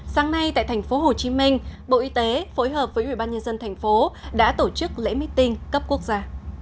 sáng nay tại tp hcm bộ y tế phối hợp với ubnd tp đã tổ chức lễ meeting cấp quốc gia